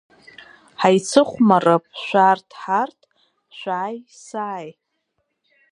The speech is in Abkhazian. Ҳаицыхәмарып шәарҭ-ҳарҭ, шәааи-сааи!